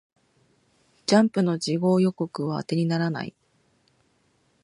ジャンプの次号予告は当てにならない